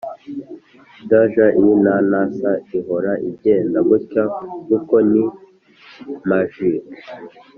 (djinns ihora igenda gutya kuko ni magic)